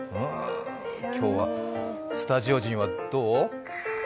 今日はスタジオ陣はどう？